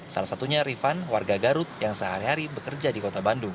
salah satunya rifan warga garut yang sehari hari bekerja di kota bandung